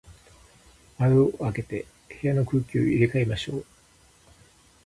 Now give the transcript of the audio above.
窓を開けて、部屋の空気を入れ替えましょう。